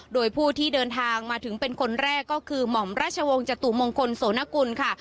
โดยผู้ที่เดินทางมาถึงเป็นคนแรกก็คือหม่อมราชวงศ์จตุมงคลโสนกุลค่ะ